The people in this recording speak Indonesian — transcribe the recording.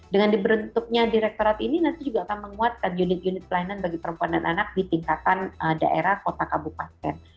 dengan dibentuknya direktorat ini nanti juga akan menguatkan unit unit pelayanan bagi perempuan dan anak di tingkatan daerah kota kabupaten